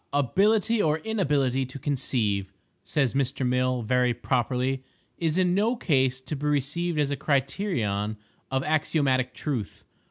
—"Ability or inability to conceive," says Mr. Mill, very properly, "is in no case to be received as a criterion of axiomatic truth."